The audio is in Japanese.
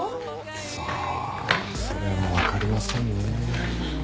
さあそれは分かりませんねぇ。